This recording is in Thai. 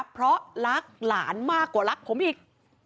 เพราะรักหลานมากกว่ารักผมอีก